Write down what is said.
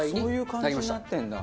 あっそういう感じになってんだ。